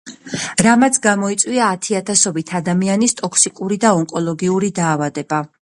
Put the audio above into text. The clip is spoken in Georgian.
რამაც გამოიწვია ათიათასობით ადამიანის ტოქსიკური და ონკოლოგიური დაავადება.